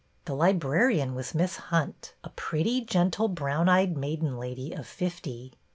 The librarian was Miss Hunt, — a pretty, gentle, brown eyed maiden lady of fifty.